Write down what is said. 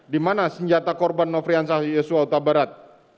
di mana senjata korban nofrian syah yosua huta barat